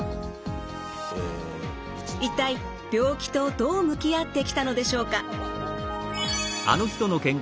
一体病気とどう向き合ってきたのでしょうか？